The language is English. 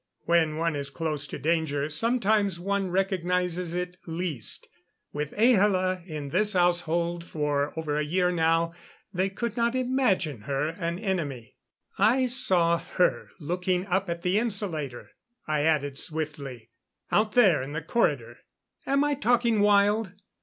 When one is close to danger, sometimes one recognizes it least; with Ahla in this household for over a year now, they could not imagine her an enemy. "I saw her looking up at the insulator," I added swiftly. "Out there in the corridor. Am I talking wild?